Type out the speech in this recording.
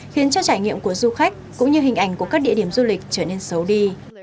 khiến cho trải nghiệm của du khách cũng như hình ảnh của các địa điểm du lịch trở nên xấu đi